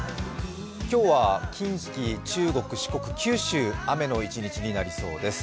今日は近畿、中国、四国、九州雨になる予報です。